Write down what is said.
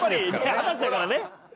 二十歳だからね。